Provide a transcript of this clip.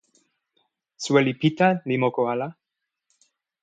soweli Pita li moku ala.